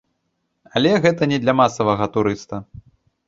Але гэта не для масавага турыста.